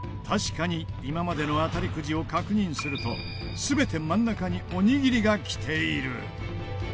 確かに今までの当たりくじを確認すると全て真ん中におにぎりがきている。